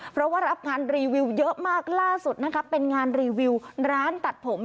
เพราะว่ารับงานรีวิวเยอะมากล่าสุดนะครับเป็นงานรีวิวร้านตัดผม